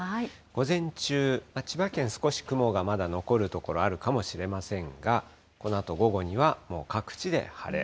午前中、千葉県、少し雲がまだ残る所あるかもしれませんが、このあと午後には、もう各地で晴れ。